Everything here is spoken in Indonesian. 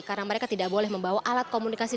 karena mereka tidak boleh membawa alat komunikasi